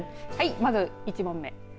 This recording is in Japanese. まずは１問目。